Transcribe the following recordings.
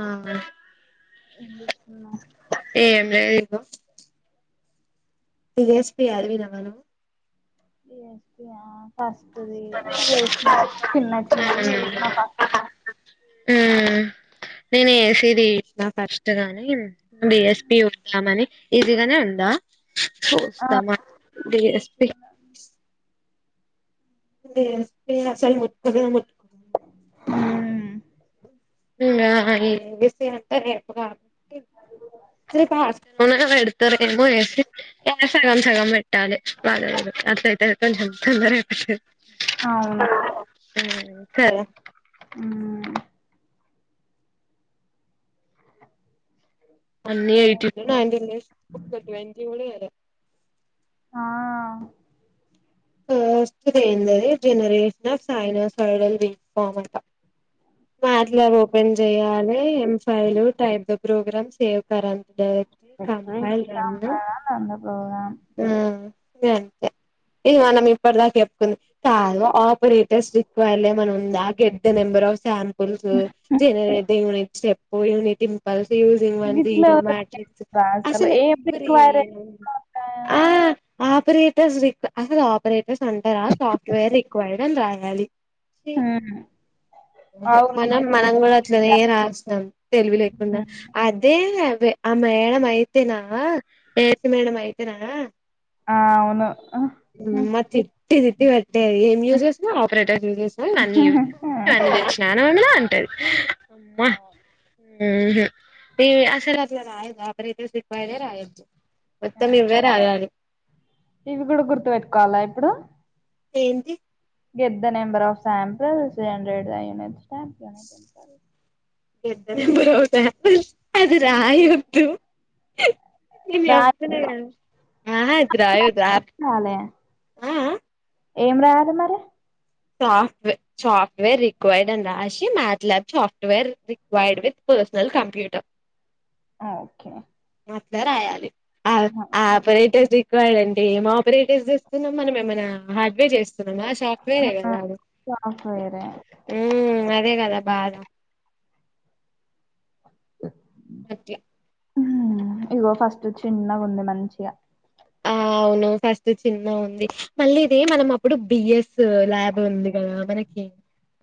మ్ మ్ ఏం చేస్తున్నా ఏం లేదు ఇగో ఎస్పి అరువినా మనం డి ఎస్ స్పి హా ఫస్టు ది చూసిన చిన్న చిన్నయి చూసిన ఫస్ట్ది మ్ నేను వేసేది నా ఫస్ట్ గాని డి ఎస్ పి ఉందామని ఈసీ గానే ఉందా ఆ చూస్తామా D S P D S P అస్సలు ముట్టుకోము ఉమ్ హే రేపు కాదు అదికూడా సరే పా పేడుతారేమో ఏసీ ఏ సగం సగం పెట్టాలి వాలు అట్ల అయితే కొంచెం తొందరగా అయిపోతది అవును మ్మ్ కదా మ్ అన్నీ ఎయిటీ పైనా [unintelligible] ఒక ట్వంటీ కూడా వెయ్యలే ఆ ఫస్ట్ ది ఎందది జెనరేషన్ హా [unintelligible] గంట అట్లా ఓపెన్ చెయాలి ఎం file type the program save [unintelligible] [unintelligible] హా ఫక్టరీ అంద ప్రోగ్రామ్ అంతే హే మనం ఇప్పటిదాకా చెప్పుకుందాం కాల్వ ఆపరేటర్స్ రిక్వైర్డ్ మనం ఉందా get the number of Sam generate the unit step unity pulse using one గిట్ల జీరో మ్యాట్రిక్స్ అసలు ఏం రిక్వైర్ ఆ ఆపరెట్ అసలు ఆపరేటర్స్ అంటారా సాఫ్ట్వేర్ రిక్వైర్డ్ అని రాయాలి మ్ మనం మనం కూడా అట్లనే రాసినం తెలివి లేకుండా అదే ఆ మేడం అయితేనా రేవతి మేడం అయితేనా ఆ అవును అమ్మ తిట్టి తిట్టి బెట్టేది ఏం యూస్ చేస్తున్నావ్ ఆపరేటర్స్ యూస్ చేసినావ నన్ను యూస్ [inaudible] వలా అంటది అమ్మ మ్ హు అసల అట్ల రాయదు ఆపరేటర్స్ రిక్వైర్డ్ హే రాయదు మొత్తం ఇవ్వే రాయాలి ఇవి కూడా గుర్తుపెట్టుకోవాలా ఇప్పుడు ఏంటి get the number of the sample [unintelligible] పెద్ద అది రాయవద్దు రాయొద్దా? ఆ హ ఇది రాయవద్దు ఆ ఏం రాయాలి ఏం రాయాలె మరి సాఫ్ట్వేర్ సాఫ్ట్వేర్ రిక్వైర్డ్ అని రాసి MATLAB software required with personal computer ఆ ఓకే మొత్త రాయాలి ఆ ఆపరేటర్ది రాయలండి ఏం ఆపరేటర్స్స్తున్నాం మనం ఏమైనా హార్డ్వేర్ చేస్తున్నామా షా వేరే కదా సాఫ్ట్వేరే ఉ అదే కదా బా అట్ల హు ఇగో ఫస్ట్ చిన్నగా ఉంది మంచిగా ఆ అవును ఫస్ట్ చిన్న ఉంది మళ్ళీ ఇది మనం అప్పుడు బిఎస్ ల్యాబ్ ఉంది కదా మనకి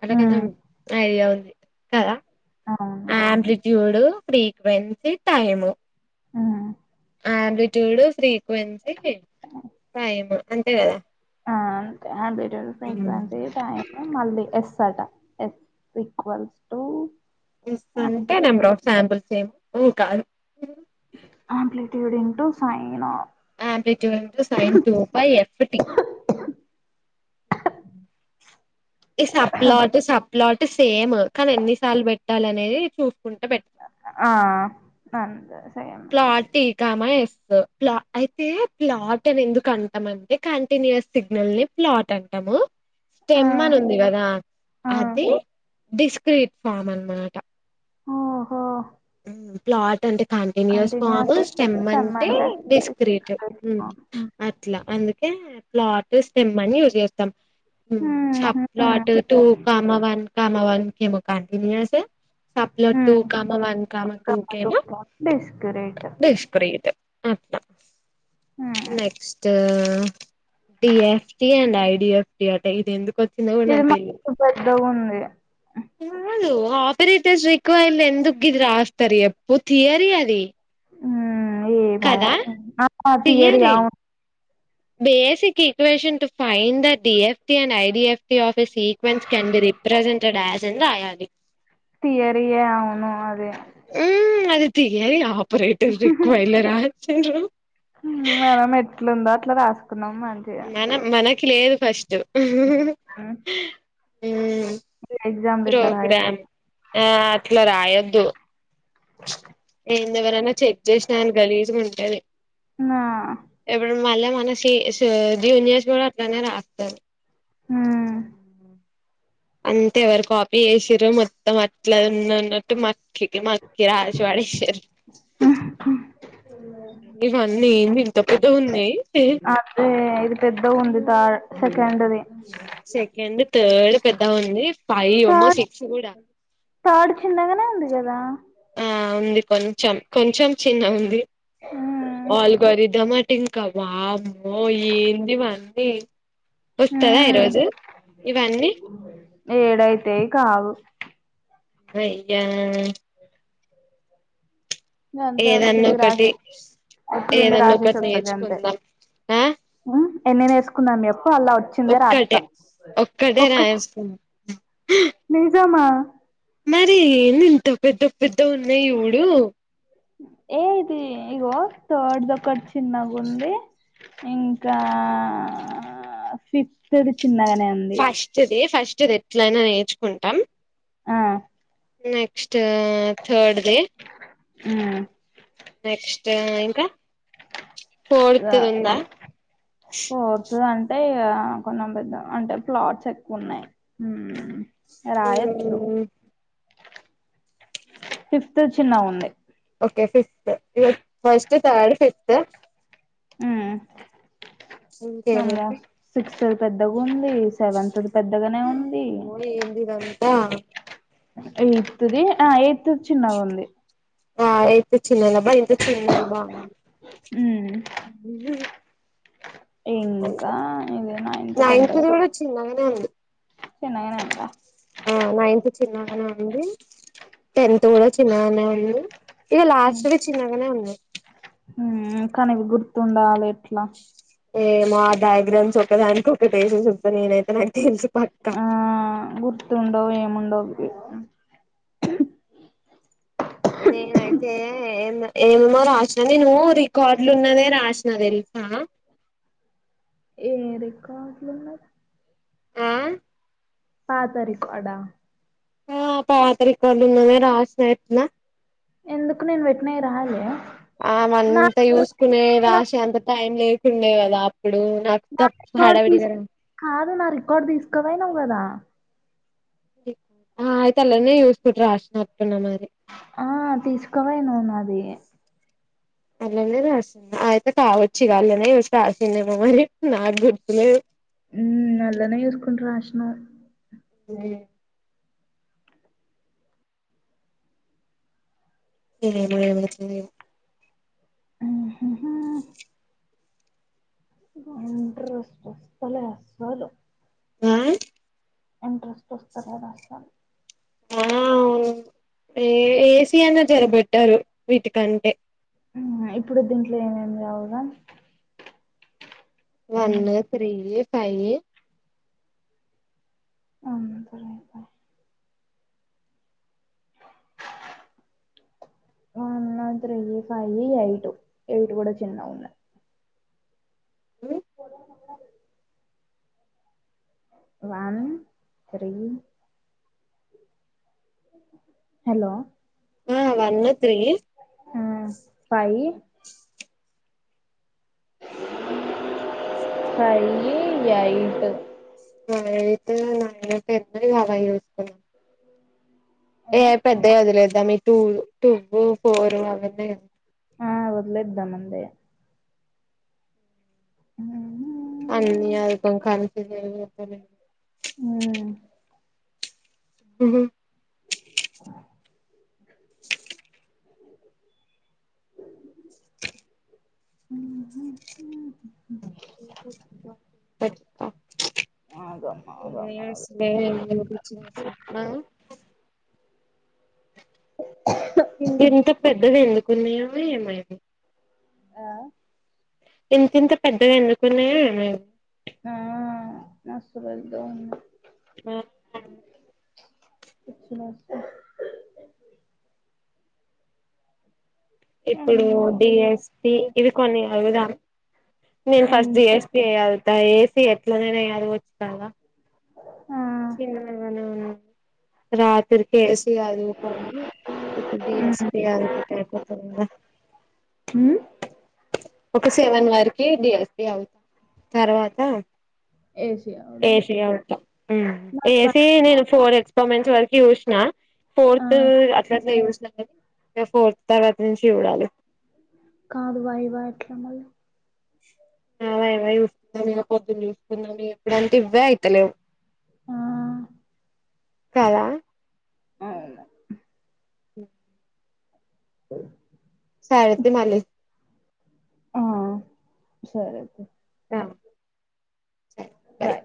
అట్లా ఉమ్, కొంచెం ఐడియా ఉంది కదా అవును ఆంప్లిట్యూడ్ ఫ్రీక్వెన్సీ టైము ఆ ఆంప్లిట్యూడ్ ఫ్రీక్వెన్సీ టైము అంతే కదా ఆంప్లిట్యూడ్ ఫ్రీక్వన్సీ టాయి మళ్ళీ ఎస్ అట ఎస్ ఈక్వల్స్ టు అంటే నెంబర్ ఆంప్లిట్యూడ్ ఆఫ్ శాంపుల్స్ ఏమి కాదు డివిడుంటు sine amplitude sine two by F అ ఈ సబ్ప్లాట్ సబ్ప్లాట్ సేమ్ కానీ ఎన్నిసార్లు పెట్టాలి అనేది చూ గుంట పెట్ అంతే సేమ్ క్లాట్ తీ కామా వస్త ప్లా అయితే ప్లాట్ అని ఎందుకు అంటామ అంటే కంటిన్యూస్ సిగ్నల్ని ప్లాట్ అంటాము స్టెమ్ ఫన్ ఉంది కదా అది డిస్క్రీట్ ఫామ్ అన్నమాట ఓహో ప్లాట్ అంటే కంటిన్యూస్ ఫామ్ స్టెమ్ అంటే స్క్రీట్ అట్లా అందు టే ప్లాట్ స్టెమ్ అని యూస్ చేస్తాం ఉ subplot two comma one comma one ఏమో కంటిన్యూసే subplot two comma one comma two కేమో డిస్క్రీట్ డిస్క్రీట్ అట్ట నెక్స్ట్ డిఎఫ్టి అండ్ ఐడిఎఫ్టి అంట ఇది ఎందుకు వచ్చింద కూడా నాకు తెలిదు లో ఉంది అదు ఆపరేటర్స్ రిక్వల్ ఎందుకు గిది రాస్తారు చెప్పు థియరి అది ఉ ఏమో కదా నాకు ఆ థియరీ ఆమో basic equation to find the DFT and IDFT office equations can be represented as అని రాయాలి థియరే ఆవును అది ఉ అది థియరీ ఆపరేటర్ రక్వ ఇల రాసిండ్రు హు మనం ఎట్లుందో అట్లా రాసుకున్నాం మంచిగా మనం మనకి లేదు ఫస్ట్ ఉమ్, ఉ ఎగ్జామ్లు ఇట్లా రాయం ప్రోగ్రాం ఆ అట్లా రాయొద్దు నిన్ను ఎవరన్నా చెక్ చేసినాను గలీజ్గా ఉంటది నా మళ్ళ మన సిస్ జూనియర్స్ కూడా అట్టనే రాత్తరు ఉమ్ ఉ అంతే ఎవరు కాపీ చేసిర మొత్తం అట్లా ఉన్నన్నట్టు మ క మాకి రాసి పడేసిరు ఇవన్నీ ఏంది ఇంత పెద్దగా ఉంది అదే ఇది పెద్దగా ఉంది బాగా సెకండీ ది సెకండ్ థర్డ్ పెద్దగ ఉంది ఫైవ్ అమ్మో సిక్స్ కూడా థార్ట్ చిన్నగానే ఉంది కదా ఆ ఉంది కొంచం కొంచెం చిన్న ఉంది ఉమ్ ఆల్ గారి దం మా టింకా వామ్మో ఏంది ఇవన్నీ వస్తదా ఉమ్ ఈరోోజు ఇవన్నీ ఏడైతే కావు అయ్యా గంతే ఏదన్నా వచ్చింది ఒకటి రాశేయ్ వచ్చింది ఏదన్నా రాశేసి ఒకటి వత్తకి అంతే నేర్చుకుందాం ఆ ఎన్ని నేసుకుందాం చెప్పు అలా వచ్చిందే రాత ఒక్కటే ఒక్కటే రాయిస్తుంది నిజమా మరి ఎంది ఇంత పెద్ద పెద్ద ఉన్నాయి ఒడు ఏ ఇది ఇగో థాడ్ ది ఒకడ్ చిన్నగా ఉంది ఇంకా ఫిఫ్త్ ది ఫస్ట్ ది ఫస్ట్ది ఎట్లయినా నేర్చుకుంటాం ఆ నెక్స్ట్ థర్డ్ ది ఉ నెక్స్ట్ ఇంక ఫోర్త్ ది ఉమ్ ఉందా ఫోర్త్ అంటే కొంచ పెద్ద అంటే ప్లాట్స్ ఎక్కువ ఉన్నాయి ఉ రాయొచ్చు ఫిఫ్త్ ది చిన్నగా ఉంది ఫిఫ్త్ ఇక ఫస్ట్ థర్డ్ ఫిఫ్త్ అ ఇంకే మేమ్ సిక్స్ పెద్దగుంది సెవెంత్ ది పెద్దగానే ఉంది బ ఎయిత్ది ఆ ఎయిత్ది చిన్నగా ఉంది బా ఎయిత్ చిన్నా దెబ్బా ఇంత చిన్నాల బా హ్మ్ అే ఇంకా ఇది నైన్త్ నైన్తిది కూడ చిన్ననే ఉంది చిన్నగానె ఉంట ఆ నైన్త్ చిన్నగానే ఉంది టెన్త్ కూడ చిన్నగానే ఉంది ఇవి లాస్ట్ దిచిన్నగానే ఉన్నాయి కానీ గుర్తుండాలి ఎట్లా ఏమో ఆ డయాగ్రామ్స్ ఒకదానికి ఒక టేసె సొస్తా నేనైతే నాకు తెలుసు పక్కా ఆ గుర్తుండవు ఏమాండవు ఏమో రాసిన నేనూ రికార్డులో ఉన్నదే రాసిన తెలుసా ఏ రికార్డులు ఉన్నాయి యా పాత రికార్డా ఆ పాత రికార్డె రాసేస్తునా ఎందుకు నేన్ పెట్నియి రాలే ఆమె నా అంత చూసుకునే నేను రాసి అంత టైం లేకుండే కదా అప్పుడు నా నాకు రికార్డు హడావిడిగా తీసు కాదు నా రికార్డ్ తీసు కుప్యో నావు కదా అయితే అట్లనే చూసుకుంట రాసిన ఆ తీసుకోపోయినవ్ నాది అల్లానే రాసింది అ అయితే కావచ్చు అల్లనే రాసిందేమో మరి నాకు గుర్తులే మ్ అట్లనే చూసుకుంటు రాసినా అ [unintelligible] అంట స్వస్థలే అసలు ఆ ఇంట్రెస్ట్ వస్తులేసా ఆ ఏ ఏసీ అయినా జ్వరబట్టారు వీటికంటే ఇప్పుడు దీంట్లో ఏమేమి రావుగా వన్ త్రీ ఫైవ్ అవును సర స ఆ one three five eight eight కూడా చిన్న ఉన్నాయి పో వన్ తథ్రీ హలో ఆ వన్ త్రీ భయి హై యిట్ మతే నయా ప ఎన్న కావా చోసు ఏ పెద్ద వదిలేద్దా మీ టూ టూ ఫోరు అవన్నీ ఆ మద్లేద్దా మందే హ అన్నదిక కలిసిది అ హ ఆ ఆగమ్మ ఆగమ్మ ఏ ఆగ ఇంకెంత పెద్దవి ఎందుకు ఉన్నాయమో ఏమైంది ఆ ఇంత ఇంత పెద్దగా ఎన్నుకున్నాయా ఆ నస్తుదు ఆ ఇచ్చ మ ఇప్పుడు డిఎస్పి ఇవి కొన్ని అడుగుదాం నేను ఎన్ ఫస్ట్ జిసీ అగుతా ఏసీ ఎట్ల నైనాయ అదు వచ్చు కద ఆ రాత్రక అ ఇప్పు డిఎస్ అ ఒక హ ఒక సెవెన్ వరకి డిఎస్పి అవుతాం తర్వాత ఏసి అవుదాం ఏసి అత మళ్ళీ వై ఏసి నేను ఫోర్ హెచ్ ఫస్ వర్కి జన్నా ఆ ఫోర్త్ అ జ ఇకా ఫోర్త్ తర్వాత్ నుంచి చూడాలి కాదు వైవా ఎట్లా మళ్ళీ అవా ఏమ చూసుకుందాం ఇలా పొద్దున్న చూసుకుందాం ఎప్పుడంటే ఇవ్వే అవుతలేవు ఆ కాల అవును అ అ సారతే మాల ఆ సరే ఆ బాయ్